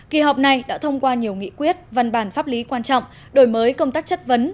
kỳ họp này đã thông qua nhiều nghị quyết văn bản pháp lý quan trọng đổi mới công tác chất vấn